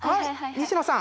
西野さん。